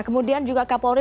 kemudian juga kapolri